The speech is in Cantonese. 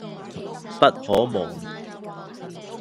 不可磨滅